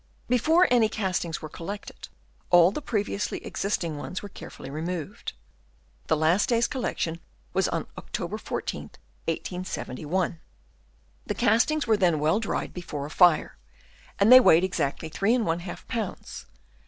Before any castings were collected all the previously existing ones were carefully removed. The last day's collection was on October 14th, 1871. The castings were then well dried before a fire ; and they weighed exactly 3^ lbs.